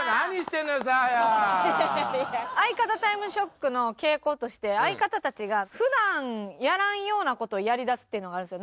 相方タイムショックの傾向として相方たちが普段やらんような事をやりだすっていうのがあるんですよ。